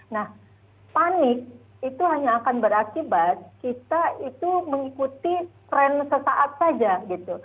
nah panik itu hanya akan berakibat kita itu mengikuti tren sesaat saja gitu